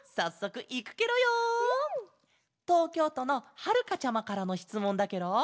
とうきょうとのはるかちゃまからのしつもんだケロ。